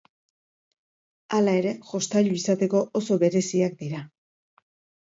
Hala ere, jostailu izateko oso bereziak dira.